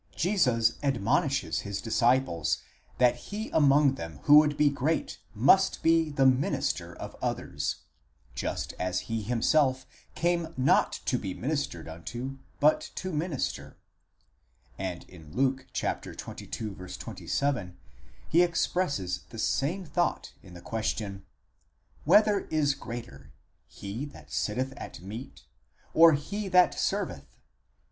Jesus admonishes his disciples that he among them who would be great must be the minister διάκονος of the others,. just as he himself came not to de ministered unto but to minister διακονηθῆναι, ἀλλὰ διακονῆσαι ; and in Luke (xxii. 27) he expresses the same thought in the question: Whether is greater, he that sitteth at meat or he that that serveth?